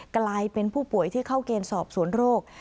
กลายเป็นผู้ป่วยที่เข้าเกณฑ์สอบสวนโรค